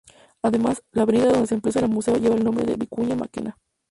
Además, la avenida donde se emplaza el museo lleva el nombre de Vicuña Mackenna.